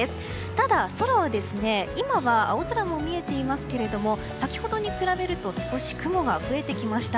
ただ、空は今は青空も見えていますけど先ほどに比べると少し雲が増えてきました。